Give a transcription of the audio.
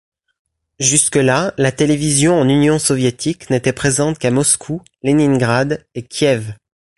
Jusque-là, la télévision en Union soviétique n'était présente qu'à Moscou, Leningrad et Kiev.